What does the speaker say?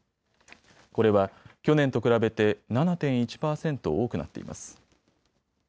これは去年と比べて７．１％多くなっています。